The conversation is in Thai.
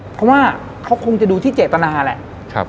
เพราะว่าเขาคงจะดูที่เจตนาแหละ